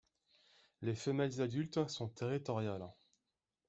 Les femelles adultes sont territoriales.